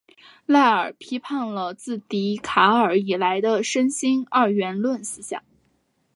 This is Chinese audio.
赖尔批判了自笛卡尔以来的身心二元论思想。